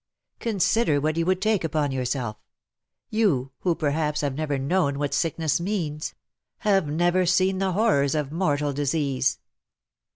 Consider what you would take upon yourself — you who perhaps have never known what sickness means — have never seen the horrors of mortal disease."